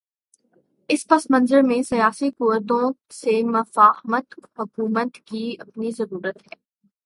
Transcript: اس پس منظر میں سیاسی قوتوں سے مفاہمت حکومت کی اپنی ضرورت ہے۔